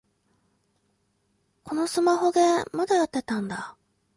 このスマホゲー、まだやってたんだ